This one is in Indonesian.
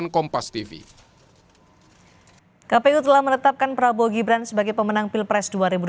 kpu telah menetapkan prabowo gibran sebagai pemenang pilpres dua ribu dua puluh